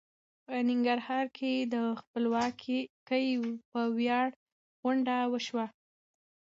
په ننګرهار کې د خپلواکۍ په وياړ غونډه وشوه.